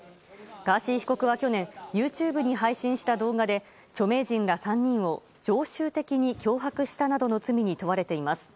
ガーシー被告は去年ＹｏｕＴｕｂｅに配信した動画で著名人ら３人を常習的に脅迫したなどの罪に問われています。